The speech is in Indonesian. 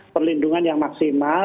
perlindungan yang maksimal